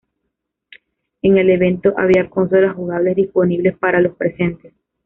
En el evento había consolas jugables disponibles para los presentes.